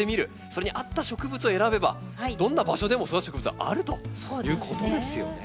それに合った植物を選べばどんな場所でも育つ植物はあるということですよね。